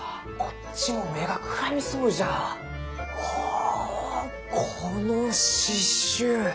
おこの刺しゅう！